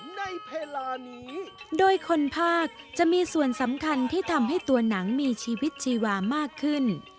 ในเวลานี้โดยคนภาคจะมีส่วนสำคัญที่ทำให้ตัวหนังมีชีวิตชีวามากขึ้น